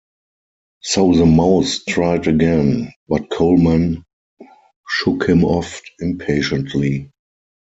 So the mouse tried again, but Colman shook him off impatiently.